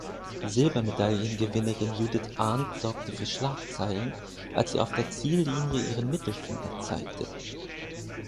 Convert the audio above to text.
Silbermedaillengewinnerin Judith Arndt sorgte für Schlagzeilen, als sie auf der Ziellinie ihren Mittelfinger zeigte.